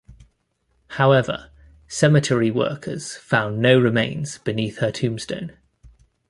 However, cemetery workers found no remains beneath her tombstone.